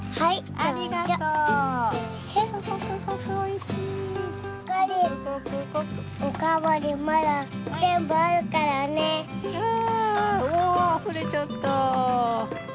あおおあふれちゃった！